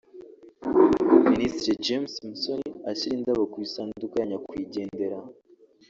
Ministre James Musoni ashyira indabo ku isanduku ya nyakwigendera